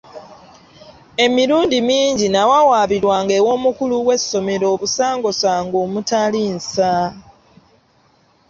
Emirundi mingi nnawawaabirwanga ew'omukulu w'essomero obusangosango omutali nsa.